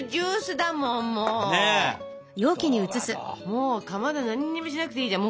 もうかまど何もしなくていいじゃん。